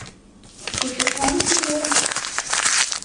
Schickes Heimkino!